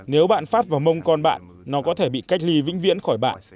nếu bạn phát vào mông con bạn nó có thể bị cách ly vĩnh viễn khỏi bạn